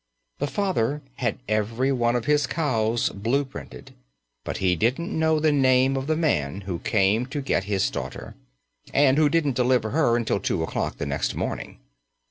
The father had every one of his cows blue printed, but he didn't know the name of the man who came to get his daughter and who didn't deliver her until two o'clock the next morning!